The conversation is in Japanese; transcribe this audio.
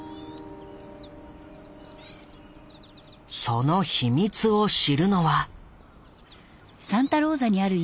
その秘密を知るのは。